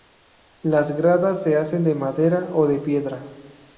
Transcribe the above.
Las gradas se hacen de madera o de piedra.